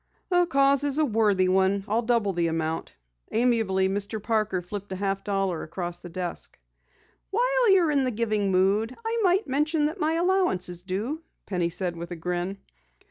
"The cause is a worthy one. I'll double the amount." Amiably, Mr. Parker flipped a half dollar across the desk. "While you're in a giving mood I might mention that my allowance is due," Penny said with a grin.